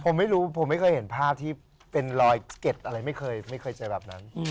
ผมไม่รู้ผมไม่เคยเห็นภาพที่เป็นรอยเก็ดอะไรไม่เคยเจอแบบนั้น